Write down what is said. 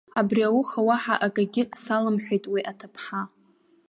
Абри ауха уаҳа акагьы салымҳәеит уи аҭыԥҳа.